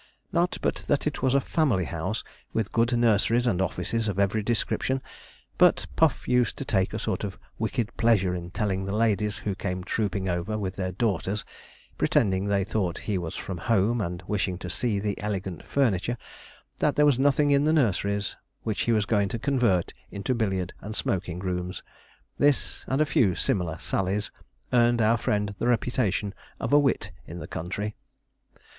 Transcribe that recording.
Not but that it was a family house, with good nurseries and offices of every description; but Puff used to take a sort of wicked pleasure in telling the ladies who came trooping over with their daughters, pretending they thought he was from home, and wishing to see the elegant furniture, that there was nothing in the nurseries, which he was going to convert into billiard and smoking rooms. This, and a few similar sallies, earned our friend the reputation of a wit in the country.